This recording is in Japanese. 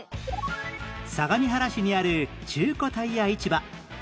相模原市にある中古タイヤ市場